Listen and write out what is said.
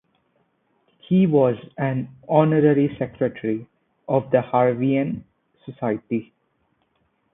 He was an honorary secretary of the Harveian Society.